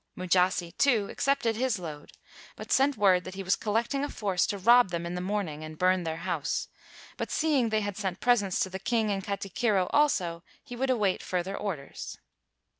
Mujasi, too, accepted his load; but 211 WHITE MAN OF WORK sent word that he was collecting a force to rob them in the morning and burn their house; but seeing they had sent presents to the king and katikiro also, he would await further orders.